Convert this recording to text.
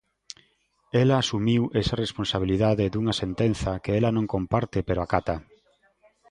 Ela asumiu esa responsabilidade dunha sentenza que ela non comparte pero acata.